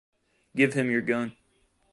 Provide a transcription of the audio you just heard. Give him your gun.